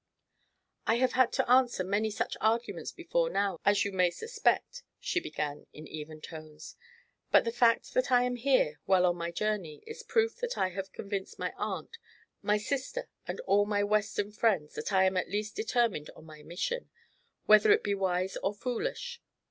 "I have had to answer many such arguments before now, as you may suspect," she began in even tones, "but the fact that I am here, well on my journey, is proof that I have convinced my aunt, my sister and all my western friends that I am at least determined on my mission, whether it be wise or foolish.